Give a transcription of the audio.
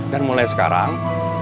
dan mulai sekarang